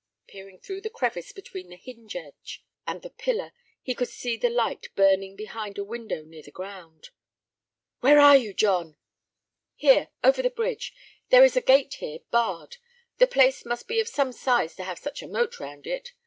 Peering through the crevice between the hinge edge and the pillar, he could see the light burning behind a window near the ground. "Where are you, John?" "Here, over the bridge. There is a gate here, barred. The place must be of some size to have such a moat round it.